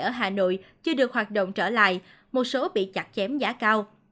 ở hà nội chưa được hoạt động trở lại một số bị chặt chém giá cao